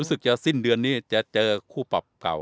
รู้สึกจะสิ้นเดือนนี้จะเจอคู่ปรับเก่า